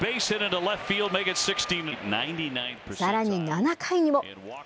さらに７回にも。